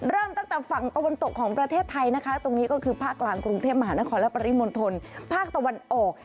เริ่มตั้งแต่ฝั่งตะวันตกของประเทศไทยนะคะตรงนี้ก็คือภาคกลางกรุงเทพมหานครและปริมณฑลภาคตะวันออก